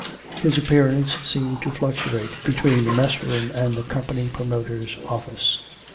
His appearance seemed to fluctuate between the mess room and the company promoter's office.